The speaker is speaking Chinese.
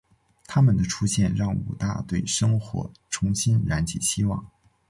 她们的出现让武大对生活重新燃起希望。